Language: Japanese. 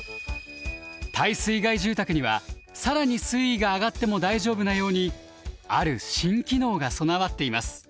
耐水害住宅には更に水位が上がっても大丈夫なようにある新機能が備わっています。